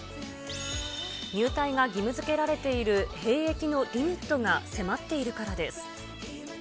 入隊が義務づけられている兵役のリミットが迫っているからです。